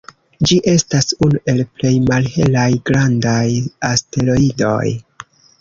Ĝi estas unu el plej malhelaj grandaj asteroidoj.